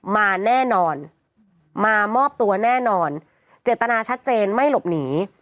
มาแน่นอนมามอบตัวแน่นอนเจตนาชัดเจนไม่หลบหนี